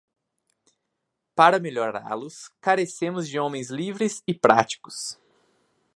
Para melhorá-los carecemos de homens livres e práticos.